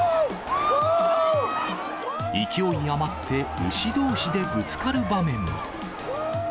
勢い余って牛どうしでぶつかる場面も。